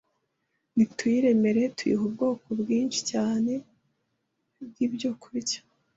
ntituyiremereze tuyiha ubwoko bwinshi cyane bw’ibyokurya.